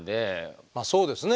まあそうですね。